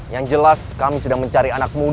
yang jelas kami sedang mencari anakmu semua orang